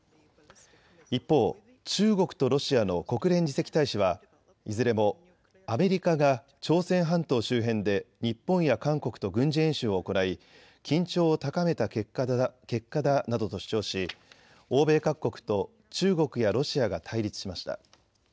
一方、中国とロシアの国連次席大使はいずれもアメリカが朝鮮半島周辺で日本や韓国と軍事演習を行い緊張を高めた結果だなどと主張し欧米各国と中国やロシアが対立しました。